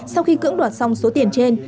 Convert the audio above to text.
sau khi cưỡng đoạt xong số tiền trên